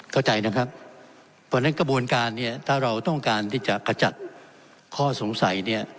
เข้าใจนะครับเพราะฉะนั้นกระบวนการเนี่ยถ้าเราต้องการที่จะขจัดข้อสงสัยเนี่ย